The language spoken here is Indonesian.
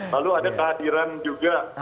lalu ada kehadiran juga